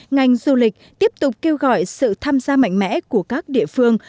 ngành du lịch tiếp tục kêu gọi sự tham gia mạnh mẽ của các địa phương